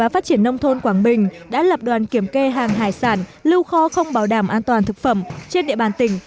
phát triển nông thôn quảng bình đã lập đoàn kiểm kê hàng hải sản lưu kho không bảo đảm an toàn thực phẩm trên địa bàn tỉnh